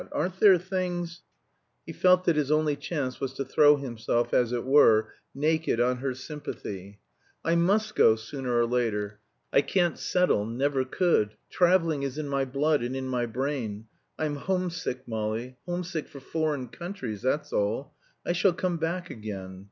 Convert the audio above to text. Aren't there things " He felt that his only chance was to throw himself as it were naked on her sympathy. "I must go sooner or later. I can't settle never could. Traveling is in my blood and in my brain. I'm home sick, Molly home sick for foreign countries, that's all. I shall come back again.